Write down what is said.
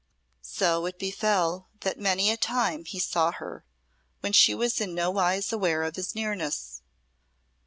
So it befel that many a time he saw her when she was in nowise aware of his nearness.